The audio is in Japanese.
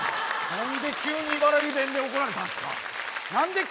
何で急に茨城弁やったんすか？